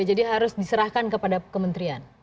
jadi harus diserahkan kepada kementerian